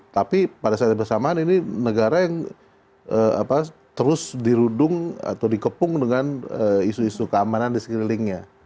tapi pada saat yang bersamaan ini negara yang terus dirudung atau dikepung dengan isu isu keamanan di sekelilingnya